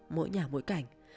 mỗi nhà mỗi cảnh